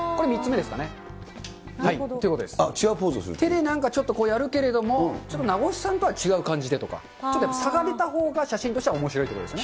手でちょっとなんかやるけれども、ちょっと名越さんとは違う感じでとか、ちょっと差が出たほうが写真としてはおもしろいということですね。